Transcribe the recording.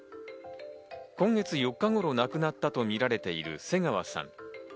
今月４日頃に亡くなったとみられている瀬川さん。